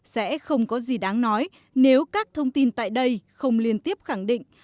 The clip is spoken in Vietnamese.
sẽ không có gì đáng nói nếu các thông tin tại đây không liên tiếp khẳng định